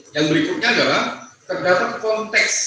yang berikutnya adalah terdapat konteks